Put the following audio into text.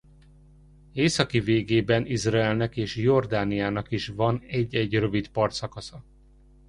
Északi végében Izraelnek és Jordániának is van egy-egy rövid partszakasza.